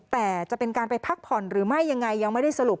แต่จะเป็นการไปพักผ่อนหรือไม่ยังไงยังไม่ได้สรุป